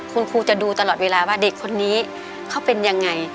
คุณครูจะดูตลอดเวลาว่าเด็กคนนี้เขาเป็นยังไง